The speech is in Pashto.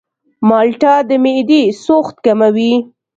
مالټه د معدې سوخت کموي.